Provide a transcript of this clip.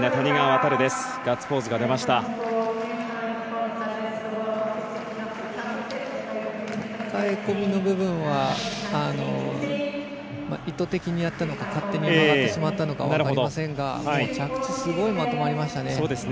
かかえ込みの部分は意図的にやったのか勝手に曲がってしまったのかわかりませんが着地、すごいまとまりましたね。